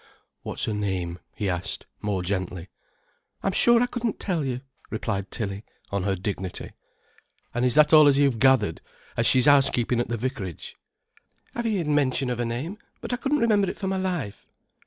"What's her name?" he asked, more gently. "I'm sure I couldn't tell you," replied Tilly, on her dignity. "An' is that all as you've gathered, as she's housekeeping at the vicarage?" "I've 'eered mention of 'er name, but I couldn't remember it for my life."